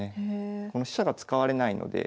この飛車が使われないので。